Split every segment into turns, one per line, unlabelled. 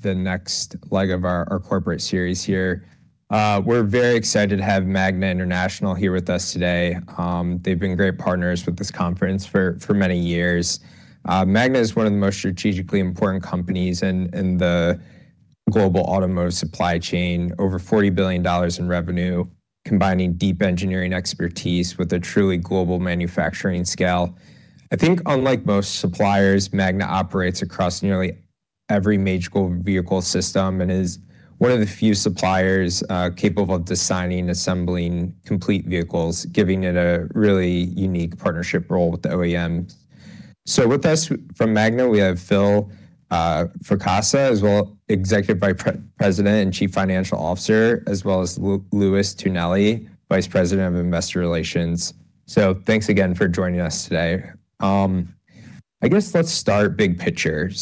The next leg of our corporate series here. We're very excited to have Magna International here with us today. They've been great partners with this conference for many years. Magna is one of the most strategically important companies in the global automotive supply chain. Over $40 billion in revenue, combining deep engineering expertise with a truly global manufacturing scale. I think unlike most suppliers, Magna operates across nearly every major global vehicle system and is one of the few suppliers capable of designing and assembling complete vehicles, giving it a really unique partnership role with the OEM. With us from Magna, we have Patrick McCann, Executive Vice President and Chief Financial Officer, as well as Louis Tonelli, Vice President of Investor Relations. Thanks again for joining us today. I guess let's start big picture.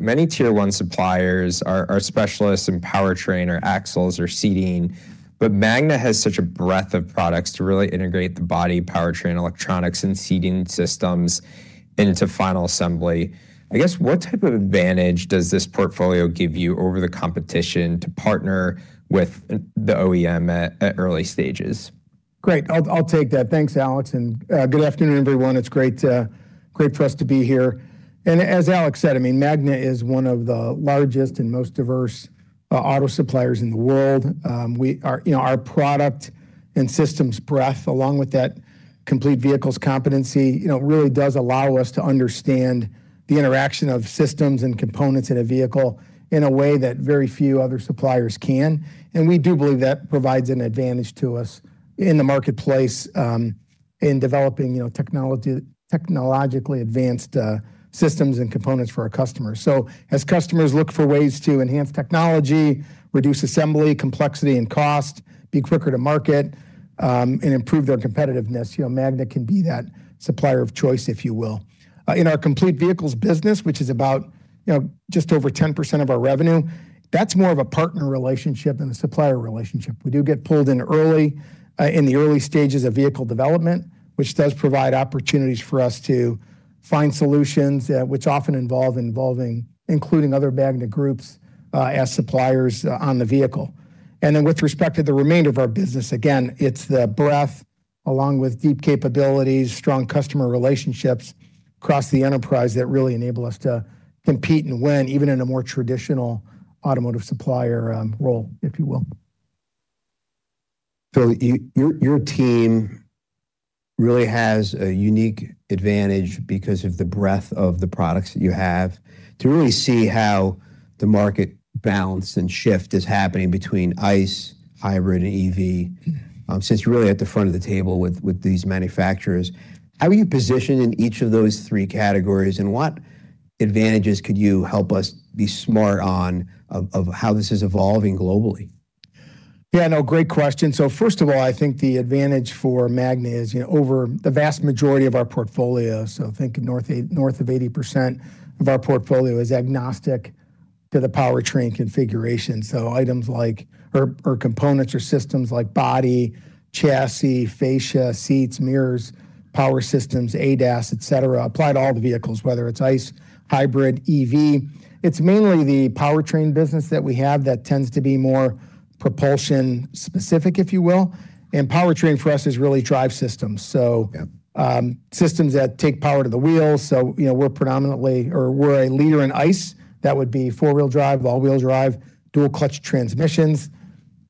Many Tier 1 suppliers are specialists in powertrain or axles or seating, but Magna has such a breadth of products to really integrate the body powertrain, electronics and seating systems into final assembly. I guess what type of advantage does this portfolio give you over the competition to partner with the OEM at early stages?
Great. I'll take that. Thanks Alex, and good afternoon everyone. It's great for us to be here. As Alex said, I mean, Magna is one of the largest and most diverse auto suppliers in the world. You know, our product and systems breadth along with that complete vehicles competency, you know, really does allow us to understand the interaction of systems and components in a vehicle in a way that very few other suppliers can. We do believe that provides an advantage to us in the marketplace in developing, you know, technology, technologically advanced systems and components for our customers. Customers look for ways to enhance technology, reduce assembly complexity and cost, be quicker to market and improve their competitiveness, you know, Magna can be that supplier of choice, if you will. In our complete vehicles business, which is about, you know, just over 10% of our revenue, that's more of a partner relationship than a supplier relationship. We do get pulled in early, in the early stages of vehicle development, which does provide opportunities for us to find solutions, which often involve including other Magna groups, as suppliers on the vehicle. With respect to the remainder of our business, again, it's the breadth along with deep capabilities, strong customer relationships across the enterprise that really enable us to compete and win even in a more traditional automotive supplier, role, if you will.
Patrick McCann, your team really has a unique advantage because of the breadth of the products that you have to really see how the market balance and shift is happening between ICE, hybrid and EV. Since you're really at the front of the table with these manufacturers, how are you positioned in each of those three categories, and what advantages could you help us be smart about how this is evolving globally?
Yeah, no, great question. First of all, I think the advantage for Magna is, you know, over the vast majority of our portfolio, so I think north of 80% of our portfolio is agnostic to the powertrain configuration. Items like or components or systems like body, chassis, fascia, seats, mirrors, power systems, ADAS, et cetera, apply to all the vehicles, whether it's ICE, hybrid, EV. It's mainly the powertrain business that we have that tends to be more propulsion specific, if you will. Powertrain for us is really drive systems.
Yeah.
Systems that take power to the wheels. You know, we're predominantly, or we're a leader in ICE. That would be four-wheel drive, all-wheel drive, dual-clutch transmission.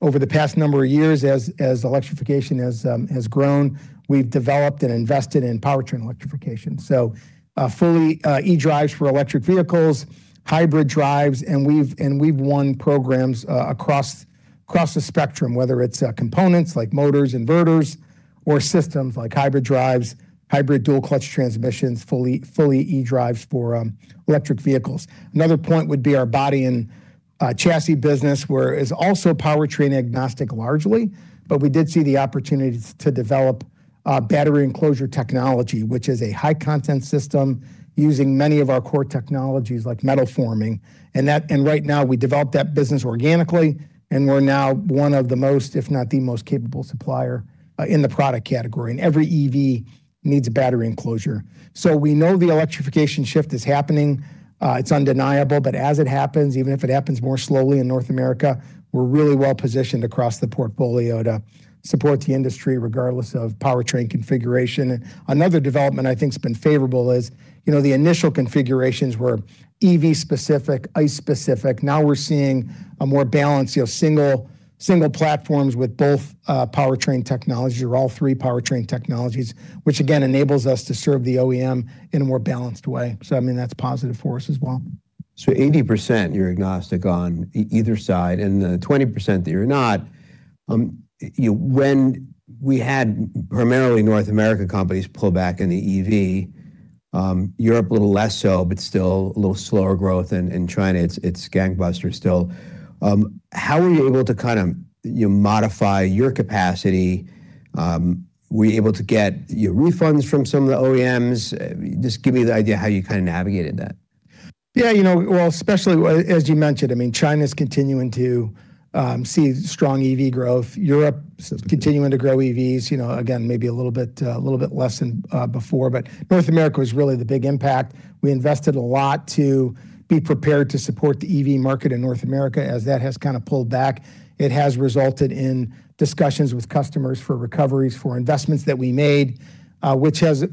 Over the past number of years, as electrification has grown, we've developed and invested in powertrain electrification. Fully eDrive for electric vehicles, hybrid drives, and we've won programs across the spectrum, whether it's components like motors, inverters, or systems like hybrid drives, hybrid dual-clutch transmission, fully eDrive for electric vehicles. Another point would be our body and chassis business, where it's also powertrain agnostic largely, but we did see the opportunity to develop battery enclosure technology, which is a high content system using many of our core technologies like metal forming. Right now we develop that business organically, and we're now one of the most, if not the most capable supplier in the product category. Every EV needs a battery enclosure. We know the electrification shift is happening. It's undeniable, but as it happens, even if it happens more slowly in North America, we're really well positioned across the portfolio to support the industry regardless of powertrain configuration. Another development I think's been favorable is, you know, the initial configurations were EV specific, ICE specific. Now we're seeing a more balanced, you know, single platforms with both powertrain technology or all three powertrain technologies, which again enables us to serve the OEM in a more balanced way. I mean, that's positive for us as well.
80% you're agnostic on either side and the 20% that you're not, you know, when we had primarily North American companies pull back in the EV, Europe a little less so, but still a little slower growth. In China it's gangbusters still. How are you able to kind of, you know, modify your capacity? Were you able to get your refunds from some of the OEMs? Just give me the idea how you kind of navigated that?
Yeah, you know, well, especially as you mentioned, I mean, China's continuing to see strong EV growth. Europe's continuing to grow EVs, you know, again, maybe a little bit, a little bit less than before, but North America was really the big impact. We invested a lot to be prepared to support the EV market in North America as that has kind of pulled back. It has resulted in discussions with customers for recoveries for investments that we made, which has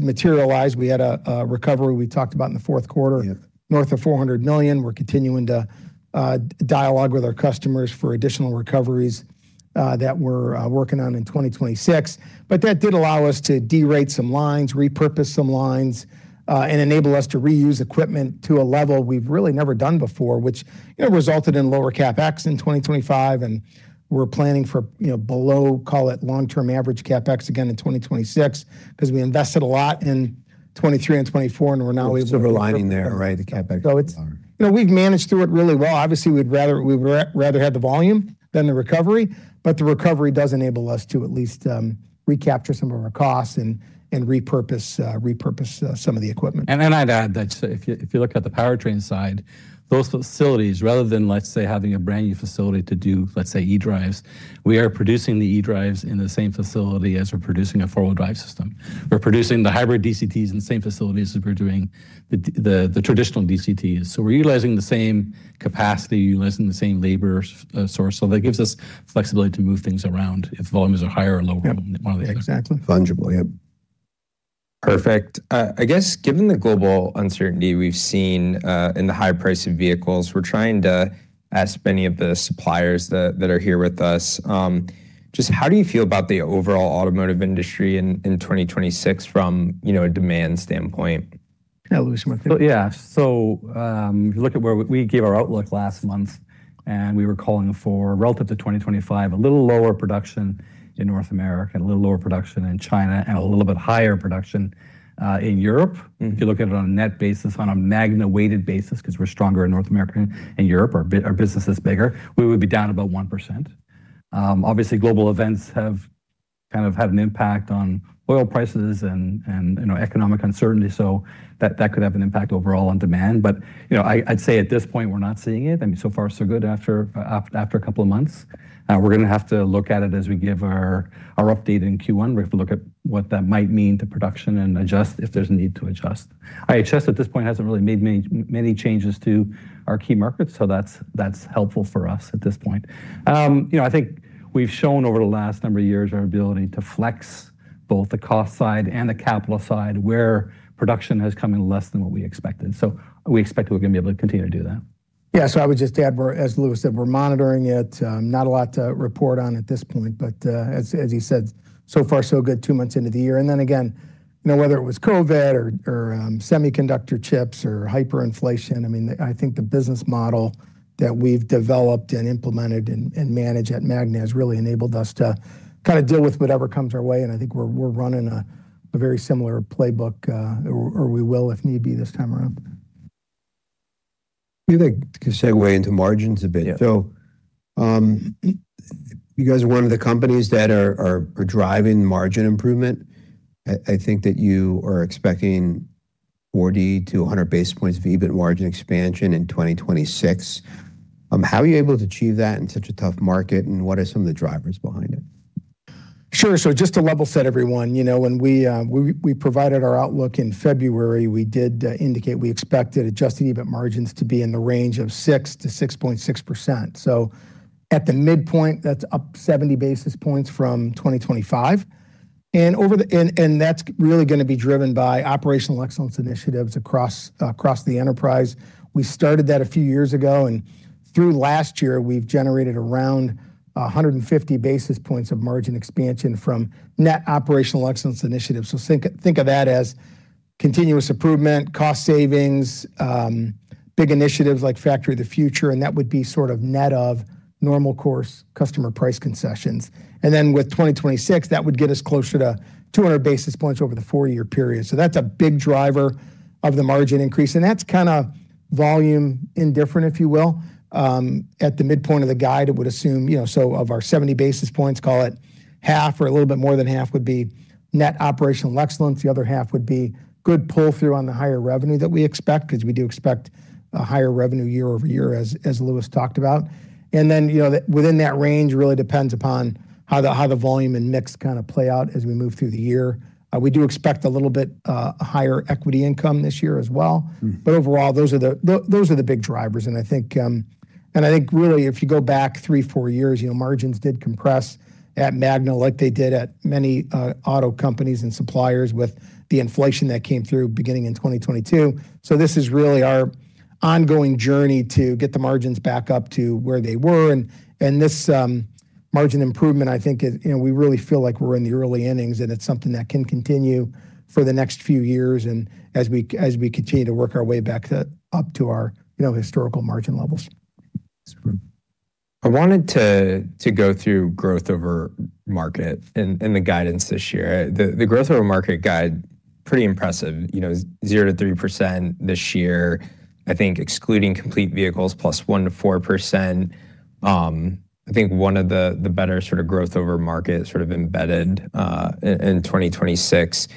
materialized. We had a recovery we talked about in the fourth quarter.
Yeah.
North of $400 million. We're continuing to dialogue with our customers for additional recoveries that we're working on in 2026. That did allow us to de-rate some lines, repurpose some lines, and enable us to reuse equipment to a level we've really never done before, which, you know, resulted in lower CapEx in 2025, and we're planning for, you know, below, call it long-term average CapEx again in 2026, because we invested a lot in 2023 and 2024, and we're now able to.
There's sort of a silver lining there, right?
It's, you know, we've managed through it really well. Obviously, we'd rather have the volume than the recovery, but the recovery does enable us to at least recapture some of our costs and repurpose some of the equipment.
I'd add that if you look at the powertrain side, those facilities, rather than, let's say, having a brand-new facility to do, let's say, eDrive, we are producing the eDrive in the same facility as we're producing a four-wheel drive system. We're producing the hybrid DCTs in the same facilities as we're doing the traditional DCTs. We're utilizing the same capacity, utilizing the same labor source. That gives us flexibility to move things around if volumes are higher or lower.
Yep.
One way or the other.
Exactly.
Funkily, yep.
Perfect. I guess given the global uncertainty we've seen, in the high price of vehicles, we're trying to ask many of the suppliers that are here with us, just how do you feel about the overall automotive industry in 2026 from, you know, a demand standpoint?
Yeah, Louis, you want to take that?
If you look at where we gave our outlook last month, and we were calling for relative to 2025, a little lower production in North America, and a little lower production in China, and a little bit higher production in Europe.
Mm.
If you look at it on a net basis, on a Magna-weighted basis, because we're stronger in North America and Europe, our business is bigger, we would be down about 1%. Obviously, global events have kind of had an impact on oil prices and, you know, economic uncertainty, so that could have an impact overall on demand. You know, I'd say at this point, we're not seeing it. I mean, so far, so good after a couple of months. We're gonna have to look at it as we give our update in Q1. We have to look at what that might mean to production and adjust if there's a need to adjust. IHS at this point hasn't really made many changes to our key markets, so that's helpful for us at this point. You know, I think we've shown over the last number of years our ability to flex both the cost side and the capital side where production has come in less than what we expected. We expect we're gonna be able to continue to do that.
Yeah. I would just add, we're, as Louis said, we're monitoring it. Not a lot to report on at this point, but as he said, so far, so good two months into the year. Then again, you know, whether it was COVID or semiconductor chips or hyperinflation, I mean, I think the business model that we've developed and implemented and managed at Magna has really enabled us to kind of deal with whatever comes our way, and I think we're running a very similar playbook, or we will if need be this time around.
You could segue into margins a bit.
Yeah.
You guys are one of the companies that are driving margin improvement. I think that you are expecting 40-100 basis points of EBIT margin expansion in 2026. How are you able to achieve that in such a tough market, and what are some of the drivers behind it?
Sure. Just to level set everyone, you know, when we provided our outlook in February, we did indicate we expected adjusted EBIT margins to be in the range of 6%-6.6%. At the midpoint, that's up 70 basis points from 2025. That's really gonna be driven by operational excellence initiatives across the enterprise. We started that a few years ago, and through last year, we've generated around 150 basis points of margin expansion from net operational excellence initiatives. Think of that as continuous improvement, cost savings, big initiatives like Factory of the Future, and that would be sort of net of normal course customer price concessions. With 2026, that would get us closer to 200 basis points over the four-year period. That's a big driver of the margin increase, and that's kind of volume indifferent, if you will. At the midpoint of the guide, it would assume, you know, so of our 70 basis points, call it half or a little bit more than half would be net operational excellence. The other half would be good pull-through on the higher revenue that we expect, because we do expect a higher revenue year-over-year as Louis talked about. You know, within that range really depends upon how the volume and mix kind of play out as we move through the year. We do expect a little bit higher equity income this year as well.
Mm.
Overall, those are the big drivers, and I think really if you go back three, four years, you know, margins did compress at Magna like they did at many auto companies and suppliers with the inflation that came through beginning in 2022. This is really our ongoing journey to get the margins back up to where they were. This margin improvement, I think, is, you know, we really feel like we're in the early innings, and it's something that can continue for the next few years and as we continue to work our way back up to our, you know, historical margin levels.
That's true.
I wanted to go through growth over market and the guidance this year. The growth over market guidance pretty impressive, you know, 0%-3% this year, I think excluding complete vehicles +1%-4%. I think one of the better sort of growth over market sort of embedded in 2026.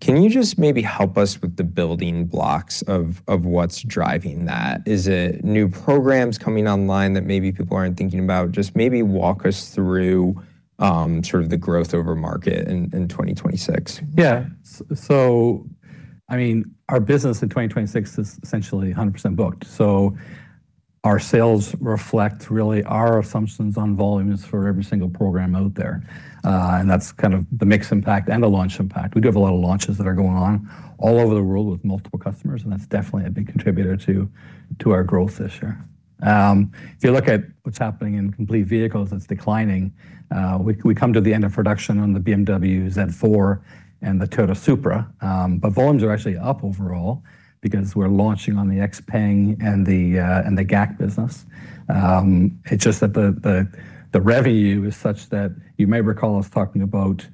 Can you just maybe help us with the building blocks of what's driving that? Is it new programs coming online that maybe people aren't thinking about? Just maybe walk us through sort of the growth over market in 2026?
Yeah. I mean, our business in 2026 is essentially 100% booked. Our sales reflect really our assumptions on volumes for every single program out there. That's kind of the mix impact and the launch impact. We do have a lot of launches that are going on all over the world with multiple customers, and that's definitely a big contributor to our growth this year. If you look at what's happening in complete vehicles, it's declining. We come to the end of production on the BMW Z4 and the Toyota Supra. Volumes are actually up overall because we're launching on the XPeng and the GAC business. It's just that the revenue is such that you may recall us talking about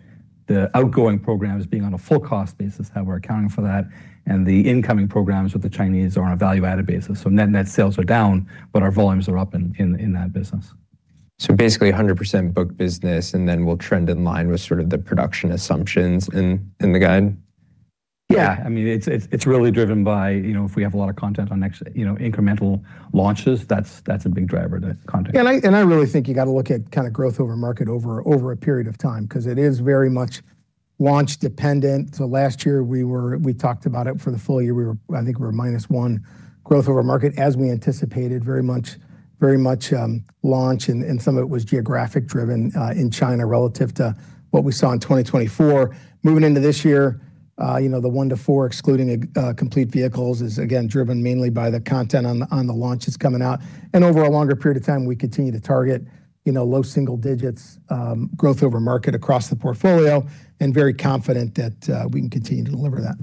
the outgoing programs being on a full cost basis, how we're accounting for that, and the incoming programs with the Chinese are on a value-added basis. Net sales are down, but our volumes are up in that business.
Basically 100% book business, and then we'll trend in line with sort of the production assumptions in the guide.
Yeah. I mean, it's really driven by, you know, if we have a lot of content on next, you know, incremental launches, that's a big driver, the content.
I really think you got to look at kind of growth over market over a period of time because it is very much launch dependent. Last year we talked about it for the full year, I think we were -1% growth over market as we anticipated very much launch and some of it was geographic driven in China relative to what we saw in 2024. Moving into this year, you know, the 1%-4% excluding complete vehicles is again driven mainly by the content on the launches coming out. Over a longer period of time, we continue to target, you know, low single digits growth over market across the portfolio and very confident that we can continue to deliver that.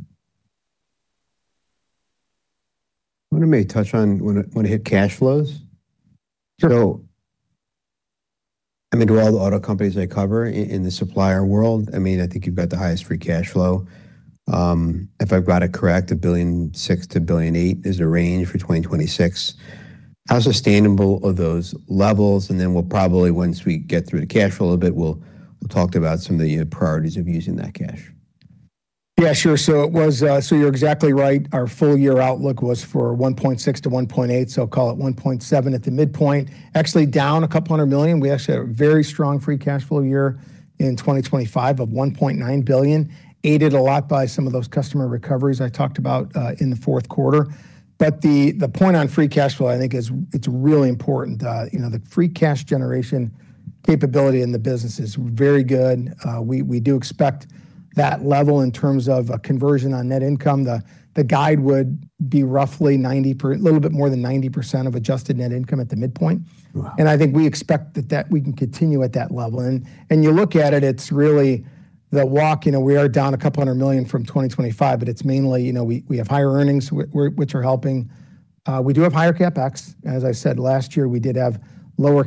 I may touch on when it hit cash flows.
Sure.
I mean, to all the auto companies I cover in the supplier world, I mean, I think you've got the highest free cash flow. If I've got it correct, $1.6 billion-$1.8 billion is the range for 2026. How sustainable are those levels? We'll probably, once we get through the cash flow a bit, we'll talk about some of the priorities of using that cash.
Yeah, sure. It was, you're exactly right. Our full year outlook was for $1.6 billion-$1.8 billion, so call it $1.7 billion at the midpoint. Actually, down a couple hundred million. We actually had a very strong free cash flow year in 2025 of $1.9 billion, aided a lot by some of those customer recoveries I talked about, in the fourth quarter. The point on free cash flow, I think it's really important. You know, the free cash generation capability in the business is very good. We do expect that level in terms of a conversion on net income. The guide would be roughly a little bit more than 90% of adjusted net income at the midpoint.
Wow.
I think we expect that we can continue at that level. You look at it's really the walk, you know, we are down $200 million from 2025, but it's mainly, you know, we have higher earnings which are helping. We do have higher CapEx. As I said, last year, we did have lower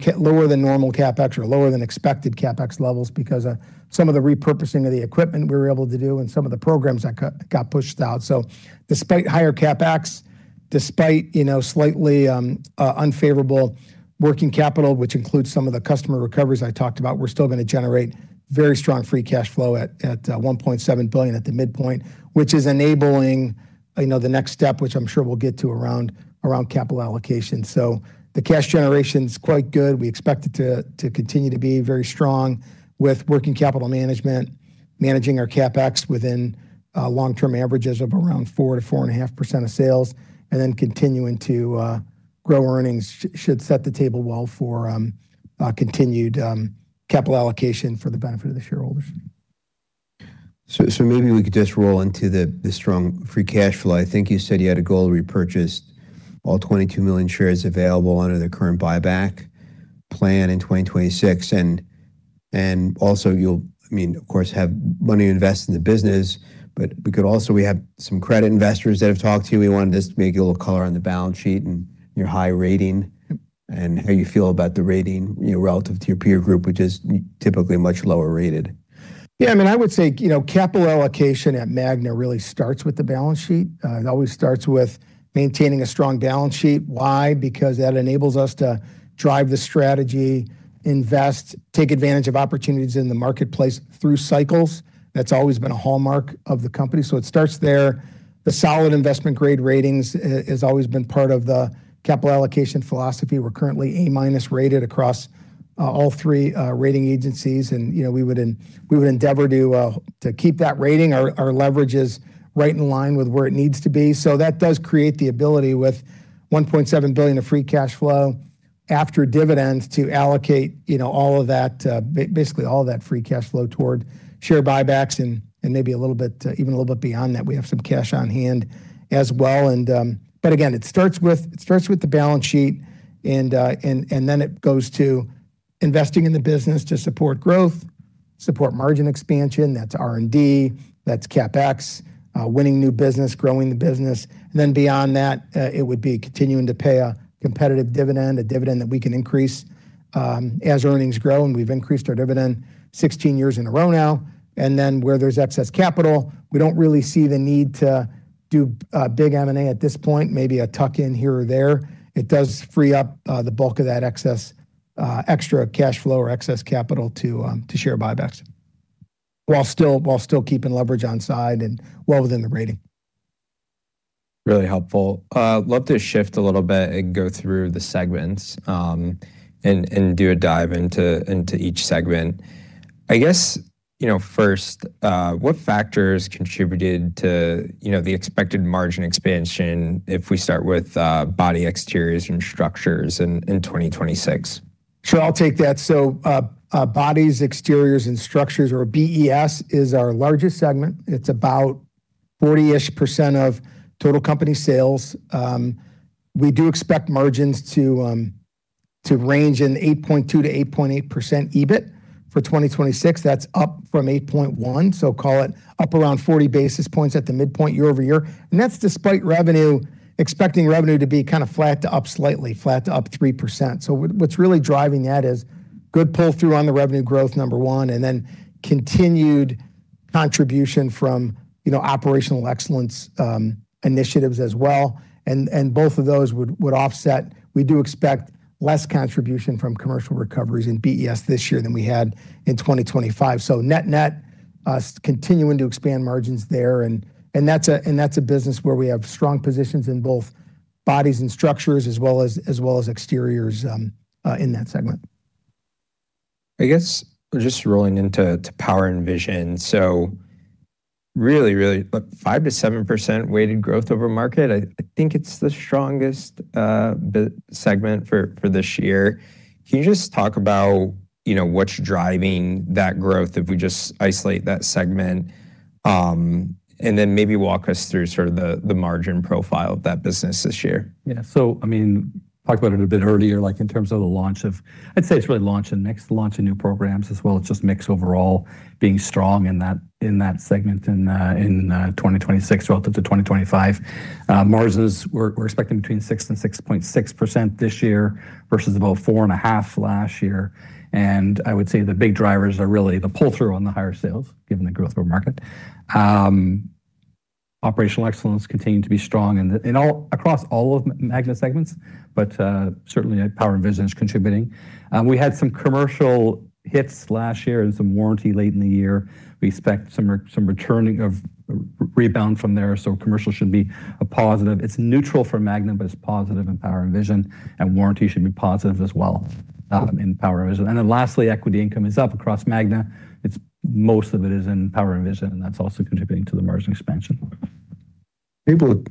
than normal CapEx or lower than expected CapEx levels because of some of the repurposing of the equipment we were able to do and some of the programs that got pushed out. Despite higher CapEx, despite, you know, slightly unfavorable working capital, which includes some of the customer recoveries I talked about, we're still gonna generate very strong free cash flow at $1.7 billion at the midpoint, which is enabling, you know, the next step, which I'm sure we'll get to around capital allocation. The cash generation is quite good. We expect it to continue to be very strong with working capital management, managing our CapEx within long-term averages of around 4%-4.5% of sales, and then continuing to grow earnings should set the table well for continued capital allocation for the benefit of the shareholders.
Maybe we could just roll into the strong free cash flow. I think you said you had a goal to repurchase all 22 million shares available under the current buyback plan in 2026. Also you'll, I mean, of course, have money to invest in the business. We could also. We have some credit investors that have talked to you. We wanted just maybe a little color on the balance sheet and your high rating and how you feel about the rating, you know, relative to your peer group, which is typically much lower rated.
Yeah, I mean, I would say, you know, capital allocation at Magna really starts with the balance sheet. It always starts with maintaining a strong balance sheet. Why? Because that enables us to drive the strategy, invest, take advantage of opportunities in the marketplace through cycles. That's always been a hallmark of the company, so it starts there. The solid investment grade ratings is always been part of the capital allocation philosophy. We're currently A-minus rated across all three rating agencies. You know, we would endeavor to keep that rating. Our leverage is right in line with where it needs to be. That does create the ability with $1.7 billion of free cash flow after dividends to allocate, you know, all of that, basically all of that free cash flow toward share buybacks and maybe a little bit even a little bit beyond that. We have some cash on hand as well. It starts with the balance sheet and then it goes to investing in the business to support growth, support margin expansion. That's R&D, that's CapEx, winning new business, growing the business. Beyond that, it would be continuing to pay a competitive dividend, a dividend that we can increase as earnings grow and we've increased our dividend 16 years in a row now. Where there's excess capital, we don't really see the need to do big M&A at this point. Maybe a tuck in here or there. It does free up the bulk of that excess extra cash flow or excess capital to share buybacks, while still keeping leverage on side and well within the rating.
Really helpful. Love to shift a little bit and go through the segments, and do a dive into each segment. I guess, you know, first, what factors contributed to, you know, the expected margin expansion if we start with, Body Exteriors and Structures in 2026?
Sure, I'll take that. Bodies, exteriors, and structures, or BES, is our largest segment. It's about 40-ish% of total company sales. We do expect margins to range in 8.2%-8.8% EBIT for 2026. That's up from 8.1%, so call it up around 40 basis points at the midpoint year-over-year. That's despite revenue, expecting revenue to be kinda flat to up slightly, flat to up 3%. What's really driving that is good pull-through on the revenue growth, number one, and then continued contribution from, you know, operational excellence, initiatives as well. Both of those would offset. We do expect less contribution from commercial recoveries in BES this year than we had in 2025. Net-net, us continuing to expand margins there and that's a business where we have strong positions in both bodies and structures as well as exteriors in that segment.
I guess just rolling into Power & Vision. Really with 5%-7% weighted growth over market. I think it's the strongest segment for this year. Can you just talk about you know what's driving that growth if we just isolate that segment and then maybe walk us through sort of the margin profile of that business this year?
I mean, talked about it a bit earlier, like in terms of the launch of. I'd say it's really launch and mix and new programs as well as just mix overall being strong in that segment in 2026 relative to 2025. Margins we're expecting between 6% and 6.6% this year versus about 4.5% last year. I would say the big drivers are really the pull-through on the higher sales, given the growth of our market. Operational excellence continuing to be strong across all of Magna segments, but certainly our Power & Vision is contributing. We had some commercial hits last year and some warranty late in the year. We expect some rebound from there, so commercial should be a positive. It's neutral for Magna, but it's positive in Power & Vision, and warranty should be positive as well in Power & Vision. Then lastly, equity income is up across Magna. Most of it is in Power & Vision, and that's also contributing to the margin expansion.
Maybe we'll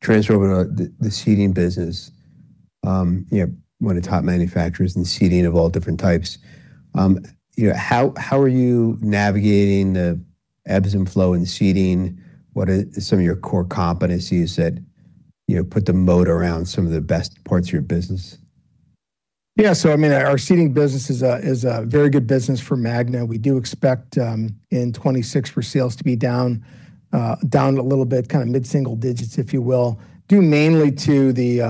transfer over to the seating business. You know, one of the top manufacturers in seating of all different types. You know, how are you navigating the ebbs and flows in seating? What are some of your core competencies that, you know, put the moat around some of the best parts of your business?
Yeah, I mean, our seating business is a very good business for Magna. We do expect in 2026 for sales to be down a little bit, kinda mid-single digits%, if you will, due mainly to the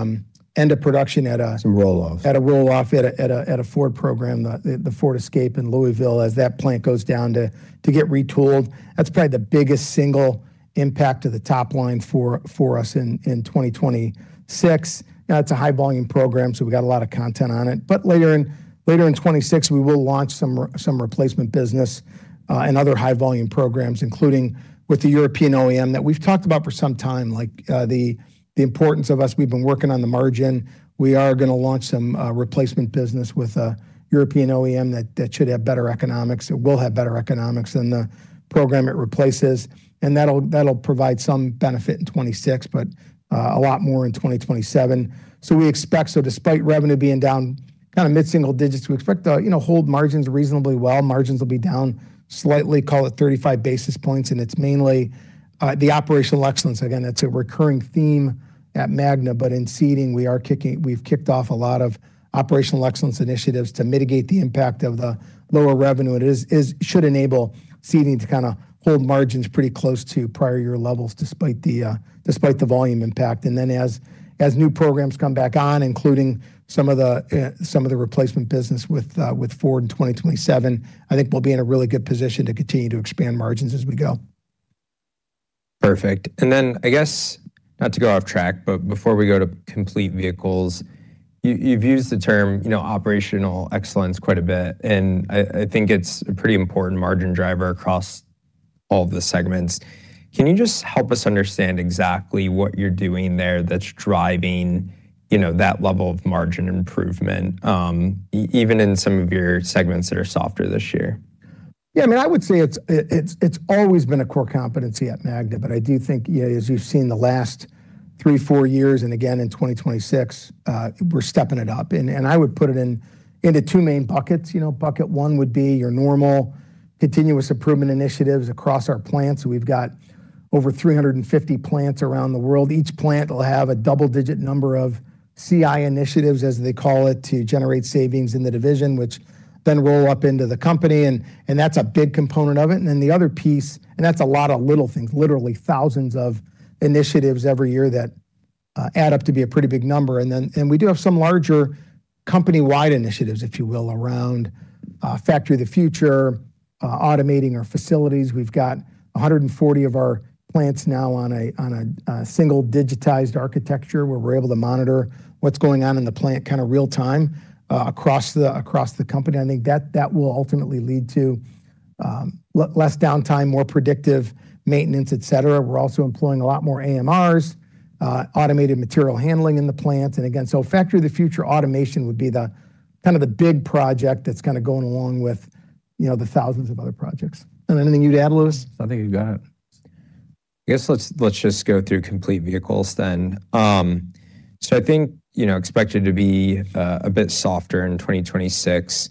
end of production.
Some roll-offs.
At a roll-off at a Ford program, the Ford Escape in Louisville, as that plant goes down to get retooled. That's probably the biggest single impact to the top line for us in 2026. Now it's a high-volume program, so we got a lot of content on it. But later in 2026, we will launch some replacement business and other high-volume programs, including with the European OEM that we've talked about for some time, like, the importance of us. We've been working on the margin. We are gonna launch some replacement business with a European OEM that should have better economics. It will have better economics than the program it replaces, and that'll provide some benefit in 2026, but a lot more in 2027. We expect, despite revenue being down kinda mid-single digits, we expect to, you know, hold margins reasonably well. Margins will be down slightly, call it 35 basis points, and it's mainly the operational excellence. Again, that's a recurring theme at Magna, but in seating we've kicked off a lot of operational excellence initiatives to mitigate the impact of the lower revenue. It should enable seating to kinda hold margins pretty close to prior year levels despite the volume impact. As new programs come back on, including some of the replacement business with Ford in 2027, I think we'll be in a really good position to continue to expand margins as we go.
Perfect. Then I guess, not to go off track, but before we go to complete vehicles, you've used the term, you know, operational excellence quite a bit, and I think it's a pretty important margin driver across all the segments. Can you just help us understand exactly what you're doing there that's driving, you know, that level of margin improvement, even in some of your segments that are softer this year?
I mean, I would say it's always been a core competency at Magna, but I do think, yeah, as you've seen the last 3-4 years, and again in 2026, we're stepping it up. I would put it into two main buckets. You know, bucket one would be your normal continuous improvement initiatives across our plants. We've got over 350 plants around the world. Each plant will have a double-digit number of CI initiatives, as they call it, to generate savings in the division, which then roll up into the company, and that's a big component of it. Then the other piece. That's a lot of little things, literally thousands of initiatives every year that add up to be a pretty big number. We do have some larger company-wide initiatives, if you will, around Factory of the Future, automating our facilities. We've got 140 of our plants now on a single digitized architecture, where we're able to monitor what's going on in the plant kinda real time across the company. I think that will ultimately lead to less downtime, more predictive maintenance, et cetera. We're also employing a lot more AMRs, automated material handling in the plants. Factory of the Future automation would be the kind of the big project that's kinda going along with, you know, the thousands of other projects. Is there anything you'd add, Louis?
I think you got it.
I guess let's just go through complete vehicles then. I think, you know, expected to be a bit softer in 2026.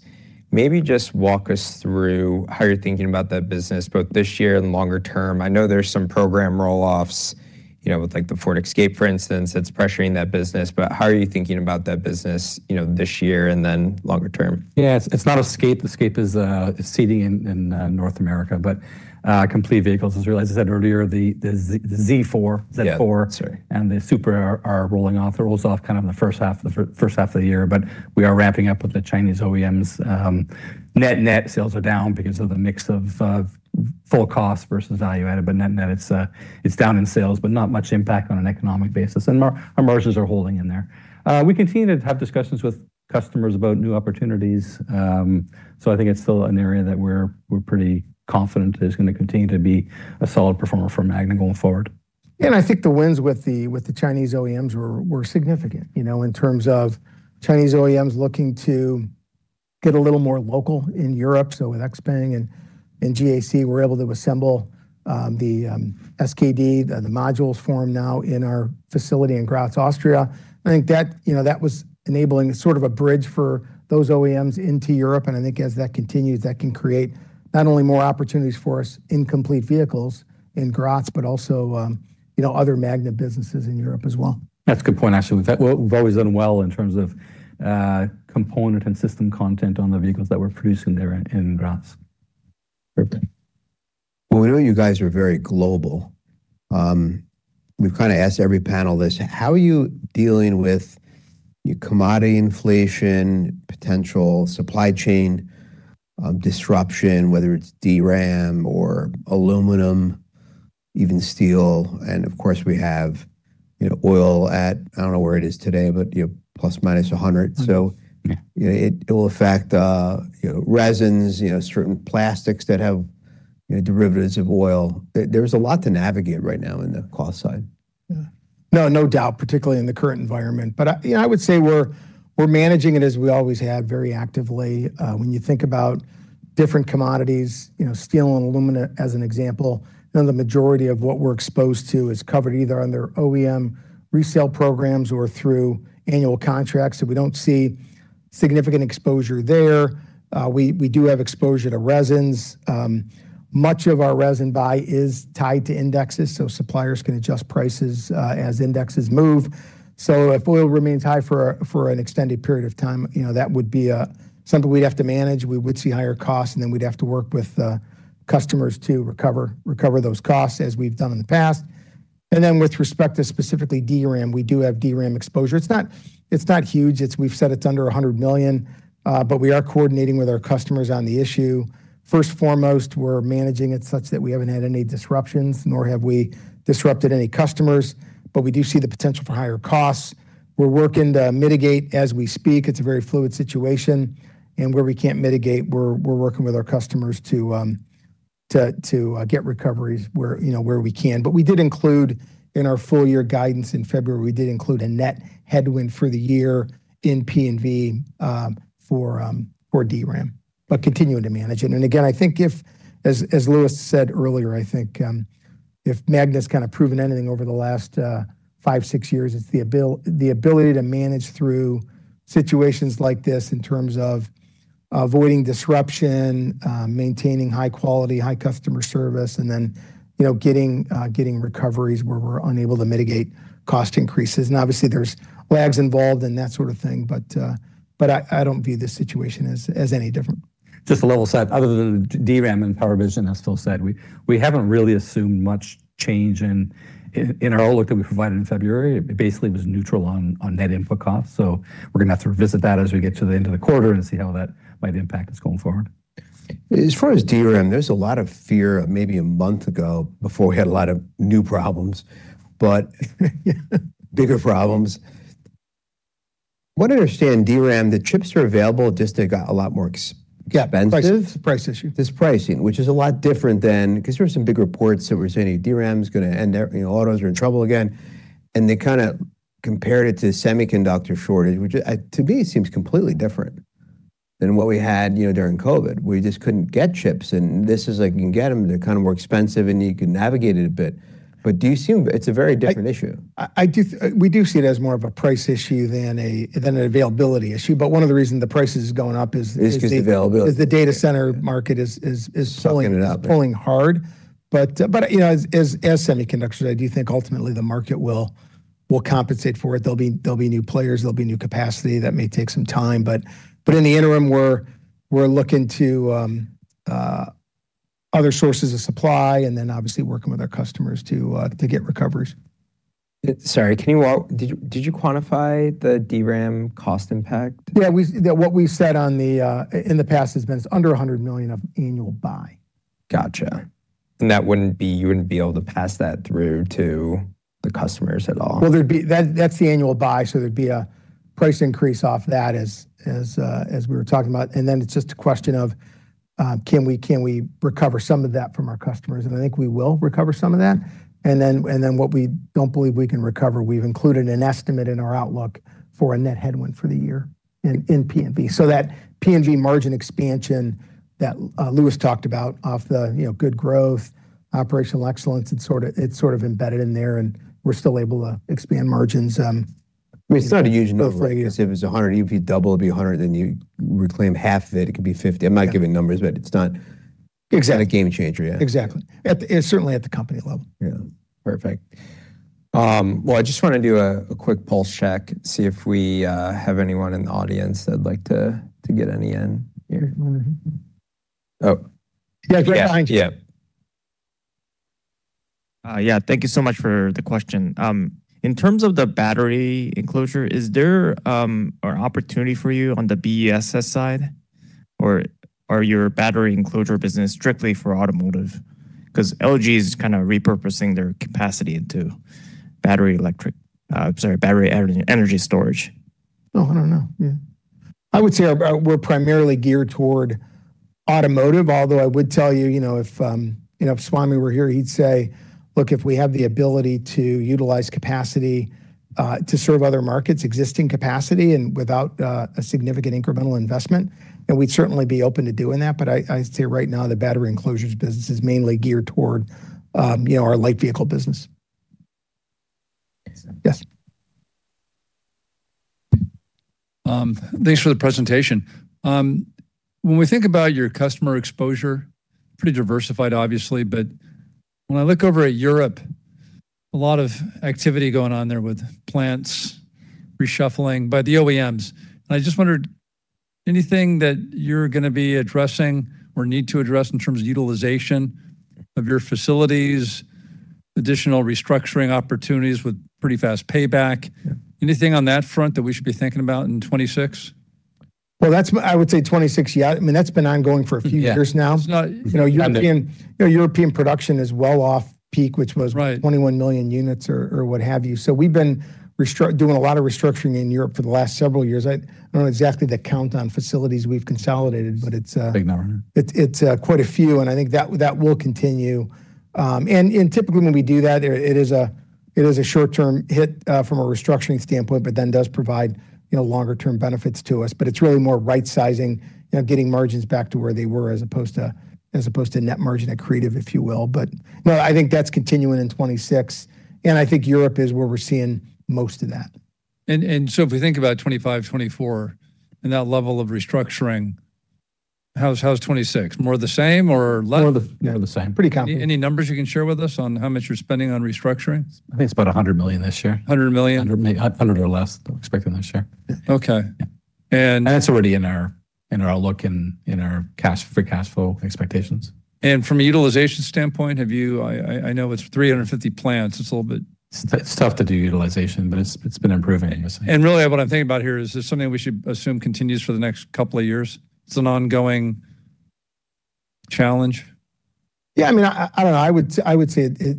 Maybe just walk us through how you're thinking about that business, both this year and longer term? I know there's some program roll-offs, you know, with like the Ford Escape, for instance, that's pressuring that business. How are you thinking about that business, you know, this year and then longer term?
Yeah. It's not Escape. Escape is succeeding in North America. Complete vehicles, as Louis said earlier, the Z4-
Yeah. Sorry.
Z4 and the Supra are rolling off. They rolled off kind of in the first half of the year. We are ramping up with the Chinese OEMs. Net net sales are down because of the mix of full cost versus value add. Net net it's down in sales, but not much impact on an economic basis. Our margins are holding in there. We continue to have discussions with customers about new opportunities. I think it's still an area that we're pretty confident is gonna continue to be a solid performer for Magna going forward.
I think the wins with the Chinese OEMs were significant, you know, in terms of Chinese OEMs looking to get a little more local in Europe. With XPeng and GAC, we're able to assemble the SKD, the modules for them now in our facility in Graz, Austria. I think that, you know, that was enabling sort of a bridge for those OEMs into Europe, and I think as that continues, that can create not only more opportunities for us in complete vehicles in Graz, but also, you know, other Magna businesses in Europe as well.
That's a good point, actually. We've always done well in terms of component and system content on the vehicles that we're producing there in Graz.
Perfect. Well, we know you guys are very global. We've kind of asked every panel this: How are you dealing with your commodity inflation, potential supply chain disruption, whether it's DRAM or aluminum, even steel, and of course we have, you know, oil at, I don't know where it is today, but, you know, plus or minus $100?
Mm-hmm.
So-
Yeah.
It will affect, you know, resins, you know, certain plastics that have, you know, derivatives of oil. There's a lot to navigate right now in the cost side.
Yeah. No doubt, particularly in the current environment. I, you know, I would say we're managing it as we always have, very actively. When you think about different commodities, you know, steel and aluminum as an example, you know, the majority of what we're exposed to is covered either under OEM resale programs or through annual contracts, so we don't see significant exposure there. We do have exposure to resins. Much of our resin buy is tied to indexes, so suppliers can adjust prices as indexes move. If oil remains high for an extended period of time, you know, that would be something we'd have to manage. We would see higher costs, and then we'd have to work with customers to recover those costs, as we've done in the past. With respect to specifically DRAM, we do have DRAM exposure. It's not huge. We've said it's under $100 million, but we are coordinating with our customers on the issue. First, foremost, we're managing it such that we haven't had any disruptions, nor have we disrupted any customers. We do see the potential for higher costs. We're working to mitigate as we speak. It's a very fluid situation. Where we can't mitigate, we're working with our customers to get recoveries where, you know, where we can. We did include in our full year guidance in February a net headwind for the year in P&V for DRAM, but continuing to manage it. Again, I think, as Louis said earlier, I think if Magna's kind of proven anything over the last five, six years, it's the ability to manage through situations like this in terms of avoiding disruption, maintaining high quality, high customer service, and then, you know, getting recoveries where we're unable to mitigate cost increases. Obviously, there's lags involved and that sort of thing, but I don't view this situation as any different.
Just a level set. Other than DRAM and Power & Vision, as Patrick said, we haven't really assumed much change in our outlook that we provided in February. It basically was neutral on net input costs, so we're gonna have to revisit that as we get to the end of the quarter and see how that might impact us going forward.
As far as DRAM, there's a lot of fear maybe a month ago before we had a lot of new problems, but.
Yeah.
Bigger problems. What I understand DRAM, the chips are available, just they got a lot more ex-
Yeah.
Expensive.
Price. It's a price issue.
This pricing, which is a lot different than 'cause there were some big reports that were saying DRAM's gonna end, you know, autos are in trouble again. They kinda compared it to semiconductor shortage, which, to me seems completely different than what we had, you know, during COVID, where you just couldn't get chips, and this is like, you can get them. They're kind of more expensive, and you can navigate it a bit. Do you assume it's a very different issue?
We do see it as more of a price issue than an availability issue, but one of the reasons the price is going up is the.
It's just availability.
Is the data center market is pulling.
Sucking it up.
Pulling hard. You know, as semiconductors, I do think ultimately the market will compensate for it. There'll be new players, there'll be new capacity. That may take some time, but in the interim, we're looking to other sources of supply, and then obviously working with our customers to get recoveries.
Sorry, did you quantify the DRAM cost impact?
What we've said in the past has been it's under $100 million of annual buy.
Gotcha. You wouldn't be able to pass that through to the customers at all?
That’s the annual buy, so there’d be a price increase off that as we were talking about. It’s just a question of, can we recover some of that from our customers? I think we will recover some of that. What we don’t believe we can recover, we’ve included an estimate in our outlook for a net headwind for the year in P&V. That P&V margin expansion that Louis Tonelli talked about of the, you know, good growth, operational excellence, it’s sort of embedded in there, and we’re still able to expand margins.
I mean, it's not a huge number.
Both legacy.
If it's $100, even if you double, it'd be $100, then you reclaim half of it could be $50. I'm not giving numbers, but it's not.
Exactly.
A game changer. Yeah.
Exactly. Certainly at the company level.
Yeah. Perfect. Well, I just wanna do a quick pulse check, see if we have anyone in the audience that'd like to get any in here.
Yeah, go ahead.
Yeah.
Thank you so much for the question. In terms of the battery enclosure, is there an opportunity for you on the BESS side or are your battery enclosure business strictly for automotive? 'Cause LG is kind of repurposing their capacity into battery energy storage.
Oh, I don't know. Yeah. I would say we're primarily geared toward automotive, although I would tell you know, if you know, if Swamy were here, he'd say, "Look, if we have the ability to utilize capacity to serve other markets, existing capacity and without a significant incremental investment," then we'd certainly be open to doing that. But I'd say right now the battery enclosures business is mainly geared toward you know, our light vehicle business.
Excellent.
Yes.
Thanks for the presentation. When we think about your customer exposure, pretty diversified obviously, but when I look over at Europe, a lot of activity going on there with plants reshuffling by the OEMs. I just wondered, anything that you're gonna be addressing or need to address in terms of utilization of your facilities, additional restructuring opportunities with pretty fast payback?
Yeah.
Anything on that front that we should be thinking about in 2026?
Well, that's, I would say, 2026, yeah. I mean, that's been ongoing for a few years now.
Yeah. It's not.
You know, European production is well off peak, which was.
Right....
21 million units or what have you. We've been doing a lot of restructuring in Europe for the last several years. I don't know exactly the count on facilities we've consolidated, but it's
Big number.
It's quite a few, and I think that will continue. Typically when we do that, it is a short-term hit from a restructuring standpoint, but then does provide you know longer term benefits to us. It's really more right sizing you know getting margins back to where they were as opposed to net margin accretive, if you will. I think that's continuing in 2026, and I think Europe is where we're seeing most of that.
If we think about 2025, 2024 and that level of restructuring, how's 2026? More of the same or less?
Yeah.
More of the same. Pretty confident.
Any numbers you can share with us on how much you're spending on restructuring?
I think it's about $100 million this year.
$100 million?
$100 million or less, we're expecting this year.
Okay.
Yeah.
And-
That's already in our outlook and in our free cash flow expectations.
From a utilization standpoint, I know it's 350 plants. It's a little bit.
It's tough to do utilization, but it's been improving.
Really what I'm thinking about here, is this something we should assume continues for the next couple of years? It's an ongoing challenge.
Yeah, I mean, I don't know. I would say it.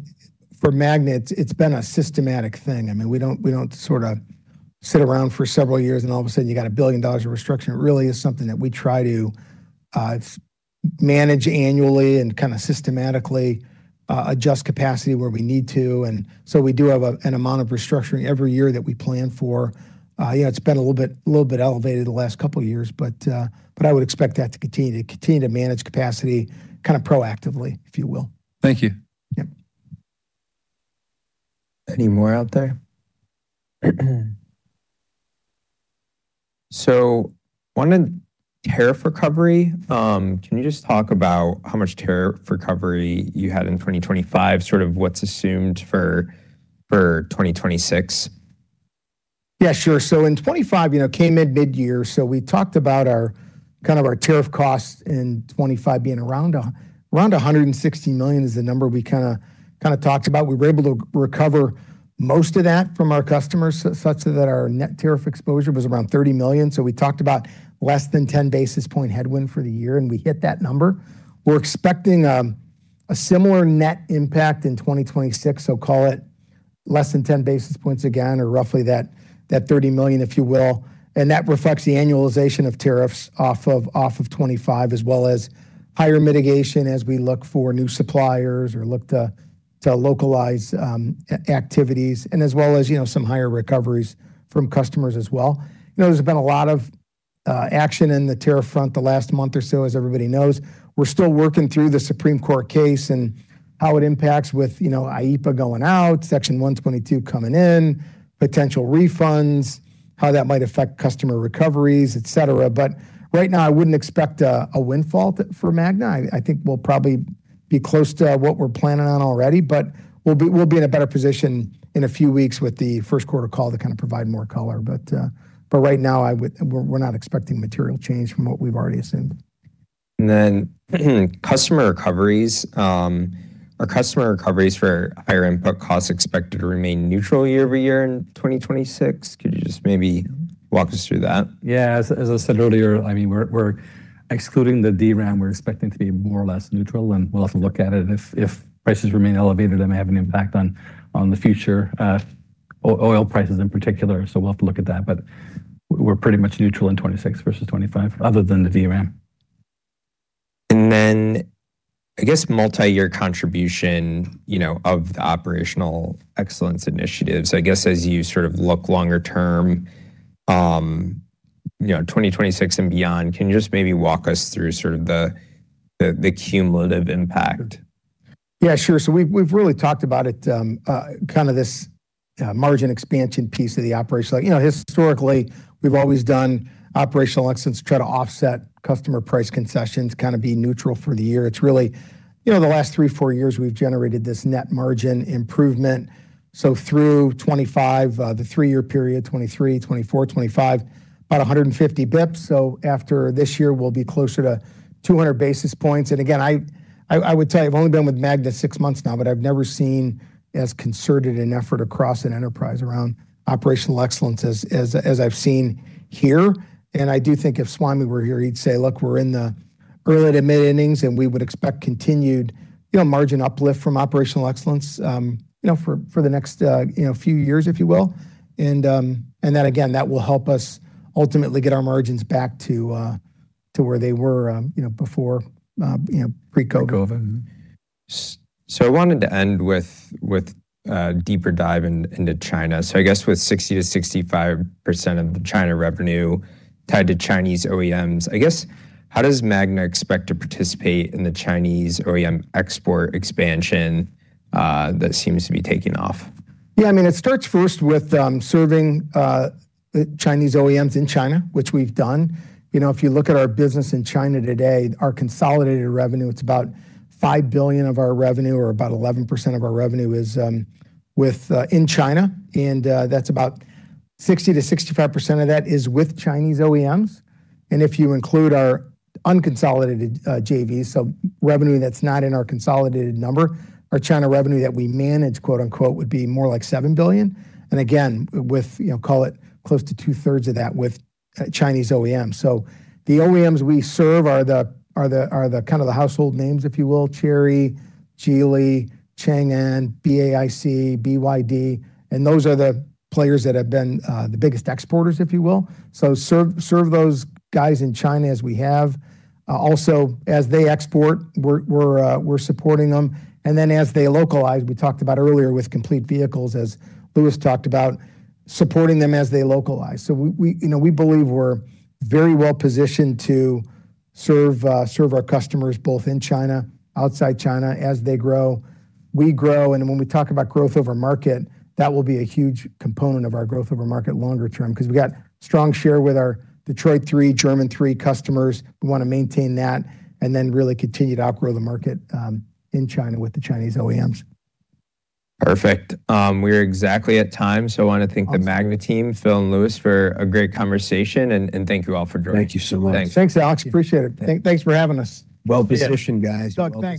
For Magna, it's been a systematic thing. I mean, we don't sorta sit around for several years and all of a sudden you got $1 billion of restructuring. It really is something that we try to manage annually and kinda systematically adjust capacity where we need to. We do have an amount of restructuring every year that we plan for. You know, it's been a little bit elevated the last couple years, but I would expect that to continue to manage capacity kinda proactively, if you will.
Thank you.
Yep.
Any more out there? On the tariff recovery, can you just talk about how much tariff recovery you had in 2025, sort of what's assumed for 2026?
Yeah, sure. In 2025, you know, came in midyear, so we talked about our, kind of our tariff costs in 2025 being around $160 million is the number we kinda talked about. We were able to recover most of that from our customers such that our net tariff exposure was around $30 million. We talked about less than 10 basis points headwind for the year, and we hit that number. We're expecting a similar net impact in 2026, so call it less than 10 basis points again or roughly that $30 million, if you will. That reflects the annualization of tariffs off of 2025 as well as higher mitigation as we look for new suppliers or look to localize activities and as well as, you know, some higher recoveries from customers as well. You know, there's been a lot of action in the tariff front the last month or so, as everybody knows. We're still working through the Supreme Court case and how it impacts with, you know, IEEPA going out, Section 122 coming in, potential refunds, how that might affect customer recoveries, et cetera. Right now, I wouldn't expect a windfall for Magna. I think we'll probably be close to what we're planning on already, but we'll be in a better position in a few weeks with the first quarter call to kind of provide more color. Right now, we're not expecting material change from what we've already assumed.
Customer recoveries. Are customer recoveries for higher input costs expected to remain neutral year-over-year in 2026? Could you just maybe walk us through that?
As I said earlier, I mean, we're excluding the DRAM. We're expecting to be more or less neutral, and we'll have to look at it if prices remain elevated. It may have an impact on the future oil prices in particular. We'll have to look at that. We're pretty much neutral in 2026 versus 2025 other than the DRAM.
I guess multi-year contribution, you know, of the operational excellence initiatives. I guess as you sort of look longer term, you know, 2026 and beyond, can you just maybe walk us through sort of the cumulative impact?
Yeah, sure. We've really talked about it, kind of this margin expansion piece of the operation. Like, you know, historically, we've always done operational excellence to try to offset customer price concessions, kind of be neutral for the year. It's really, you know, the last three, four years we've generated this net margin improvement. Through 2025, the three-year period, 2023, 2024, 2025, about 150 basis points. After this year, we'll be closer to 200 basis points. Again, I would say I've only been with Magna six months now, but I've never seen as concerted an effort across an enterprise around operational excellence as I've seen here. I do think if Swamy were here, he'd say, "Look, we're in the early to mid-innings, and we would expect continued, you know, margin uplift from operational excellence, you know, for the next, you know, few years," if you will. And that again will help us ultimately get our margins back to where they were, you know, before pre-COVID.
Pre-COVID. I wanted to end with a deeper dive into China. I guess with 60%-65% of the China revenue tied to Chinese OEMs, I guess how does Magna expect to participate in the Chinese OEM export expansion that seems to be taking off?
Yeah, I mean, it starts first with serving the Chinese OEMs in China, which we've done. You know, if you look at our business in China today, our consolidated revenue, it's about $5 billion of our revenue or about 11% of our revenue is with in China. That's about 60%-65% of that is with Chinese OEMs. If you include our unconsolidated JVs, so revenue that's not in our consolidated number, our China revenue that we manage, quote unquote, would be more like $7 billion. Again, with you know, call it close to 2/3 of that with Chinese OEMs. The OEMs we serve are the kind of the household names, if you will, Chery, Geely, Changan, BAIC, BYD, and those are the players that have been the biggest exporters, if you will. Serve those guys in China as we have. Also, as they export, we're supporting them. As they localize, we talked about earlier with complete vehicles as Louis talked about supporting them as they localize. We you know we believe we're very well positioned to serve our customers both in China, outside China as they grow. We grow, and when we talk about growth over market, that will be a huge component of our growth over market longer term, 'cause we got strong share with our Detroit Three, German Three customers. We wanna maintain that and then really continue to outgrow the market, in China with the Chinese OEMs.
Perfect. We're exactly at time.
Awesome.
I wanna thank the Magna team, Patrick and Louis, for a great conversation, and thank you all for joining.
Thank you so much.
Thanks, Alex. Appreciate it. Thanks for having us.
Well-positioned, guys. Well-positioned.
Doug, thank you.